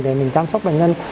để mình chăm sóc bệnh nhân